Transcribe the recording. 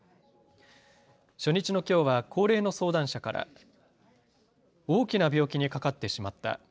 初日のきょうは高齢の相談者から大きな病気にかかってしまった。